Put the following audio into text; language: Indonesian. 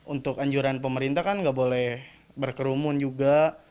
untuk anjuran pemerintah kan nggak boleh berkerumun juga